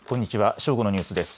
正午のニュースです。